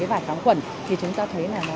vải kháng khuẩn thì chúng ta thấy là